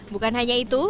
bukan hanya itu